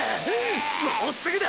もうすぐだ！！